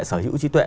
sở hữu trí tuệ